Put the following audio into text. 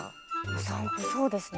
お散歩そうですね。